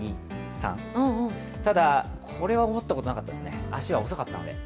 ただ、これは思ったことなかったですね、足が遅かったので。